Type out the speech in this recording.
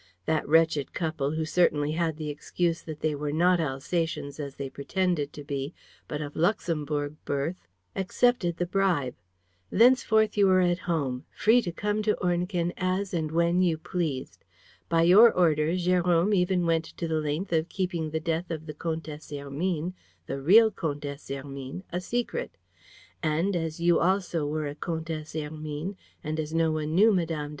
That wretched couple, who certainly had the excuse that they were not Alsatians, as they pretended to be, but of Luxemburg birth, accepted the bribe. Thenceforth you were at home, free to come to Ornequin as and when you pleased. By your orders, Jérôme even went to the length of keeping the death of the Comtesse Hermine, the real Comtesse Hermine, a secret. And, as you also were a Comtesse Hermine and as no one knew Mme.